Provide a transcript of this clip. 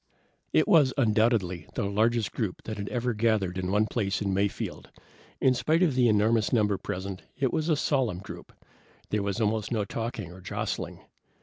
It was undoubtedly the largest group that had ever gathered in one place in Mayfield. In spite of the enormous number present it was a solemn group. There was almost no talking or jostling.